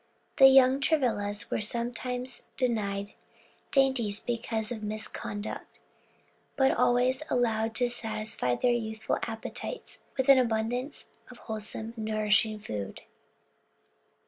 The young Travillas were sometimes denied dainties because of misconduct, but always allowed to satisfy their youthful appetites with an abundance of wholesome, nourishing food.